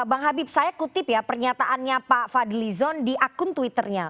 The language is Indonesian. bang habib saya kutip ya pernyataannya pak fadli zon di akun twitternya